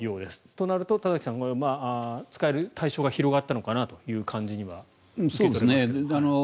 となると田崎さん使える対象が広がったのかなという感じには受け取れますけれど。